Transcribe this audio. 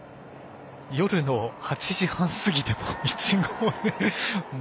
夜の８時半過ぎでもイチゴを。